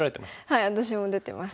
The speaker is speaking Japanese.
はい私も出てます。